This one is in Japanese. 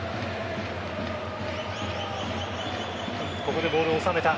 ここでボールを収めた。